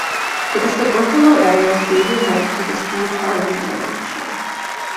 It is the Buffalo area's radio home for "The Steve Harvey Morning Show".